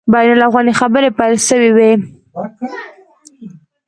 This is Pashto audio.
بین الافغاني خبري پیل سوي وای.